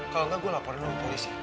kalau enggak gue lapor dulu sama polisi